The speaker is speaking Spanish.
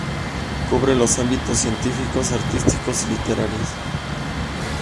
Cubre los ámbitos científicos, artísticos y literarios.